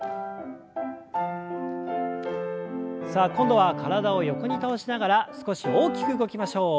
さあ今度は体を横に倒しながら少し大きく動きましょう。